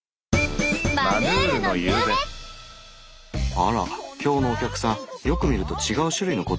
あら今日のお客さんよく見ると違う種類の小鳥なのね。